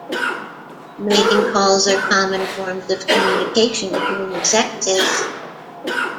Mating calls are common forms of communication between the sexes.